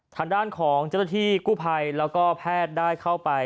ทางด้านของเจ้าหน้าที่กู้ภัยแล้วก็แพทย์ได้เข้าไป